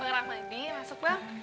bang rahmadi masuk bang